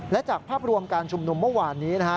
และจากภาพรวมการชุมนุมเมื่อวานนี้นะฮะ